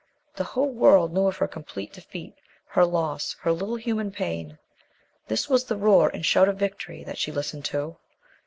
The whole world knew of her complete defeat, her loss, her little human pain. This was the roar and shout of victory that she listened to.